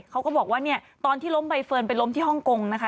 เขาก็บอกว่าเนี่ยตอนที่ล้มใบเฟิร์นไปล้มที่ฮ่องกงนะคะ